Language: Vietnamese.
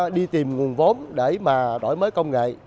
đi tìm nguồn vốn để mà đổi mới công nghệ